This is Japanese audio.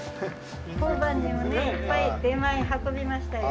交番にもねいっぱい出前運びましたよね。